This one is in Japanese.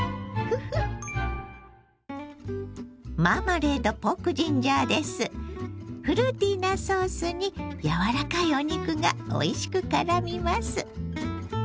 フルーティーなソースに柔らかいお肉がおいしくからみます。